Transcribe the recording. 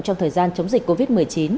trong thời gian chống dịch covid một mươi chín